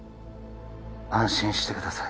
安心してください